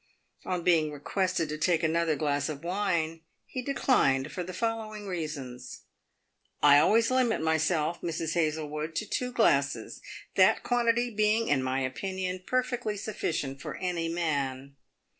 On being requested to take another glass of wine, he declined for the following reasons :" I always limit myself, Mrs. Hazel wood, to two glasses, that quantity being, in my opinion, perfectly sufficient for any man.